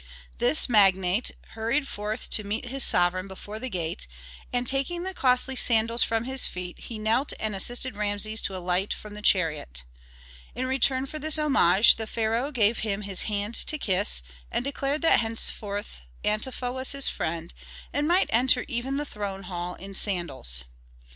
This magnate hurried forth to meet his sovereign before the gate, and, taking the costly sandals from his feet he knelt and assisted Rameses to alight from the chariot. In return for this homage the pharaoh gave him his hand to kiss, and declared that thenceforth Antefa was his friend, and might enter even the throne hall in sandals.